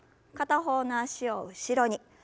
片方の脚を後ろに。